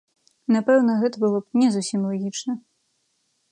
Напэўна, гэта было б не зусім лагічна.